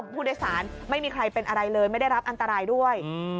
ผู้โดยสารไม่มีใครเป็นอะไรเลยไม่ได้รับอันตรายด้วย